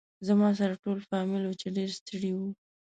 زما سره ټول فامیل و چې ډېر ستړي و.